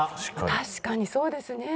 確かにそうですね。